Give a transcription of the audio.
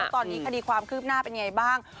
ตอนนี้คดีความคืบหน้าเป็นไงบ้าง